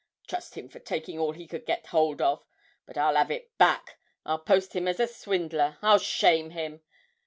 Trust him for takin' all he could get hold of! But I'll 'ave it back; I'll post him as a swindler, I'll shame him!